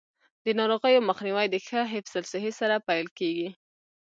د ناروغیو مخنیوی د ښه حفظ الصحې سره پیل کیږي.